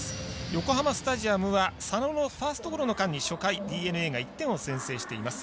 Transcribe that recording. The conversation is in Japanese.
横浜スタジアムは佐野のファーストゴロの間に初回１点を先制しています。